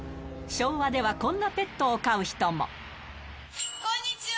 昭和ではこんなペットを飼うこんにちは。